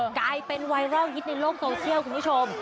กลายเป็นไวรัลฮิตในโลกโซเชียลคุณผู้ชม